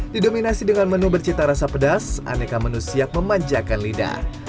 didominasi dengan menu bercita rasa pedas aneka menu siap memanjakan lidah